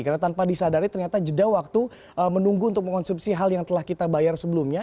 karena tanpa disadari ternyata jeda waktu menunggu untuk mengkonsumsi hal yang telah kita bayar sebelumnya